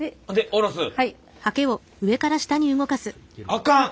あかん！